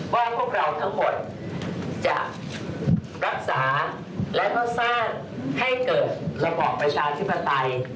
พวกเราทั้งหมดจะรักษาและก็สร้างให้เกิดระบอบประชาธิปไตย